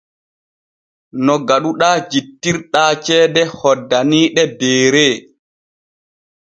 No gaɗuɗaa jittirɗaa ceede hoddaniiɗe Deere.